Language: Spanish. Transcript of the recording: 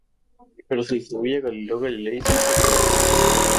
Pero se atribuye a Galileo Galilei su popularización.